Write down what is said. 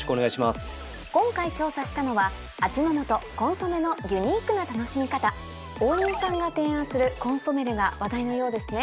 今回調査したのは「味の素 ＫＫ コンソメ」のユニークな楽しみ方王林さんが提案する「コンソメる」が話題なようですね。